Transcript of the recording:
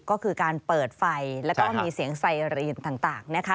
ก็คือการเปิดไฟแล้วก็มีเสียงไซรีนต่างนะคะ